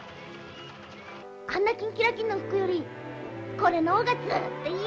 あんなキンキラキンの服より、これのほうがずっといいや。